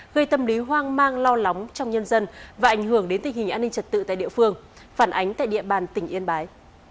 gây tâm lý hoang mang lo lắng trong nhân dân và ảnh hưởng đến tình hình an ninh trật tự tại địa phương phản ánh tại địa bàn tỉnh yên bái